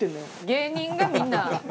芸人がみんな。